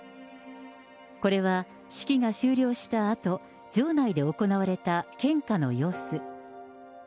これは式が終了したあと、場内で行われた献花の様子。